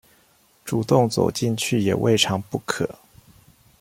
主動走進去也未嘗不可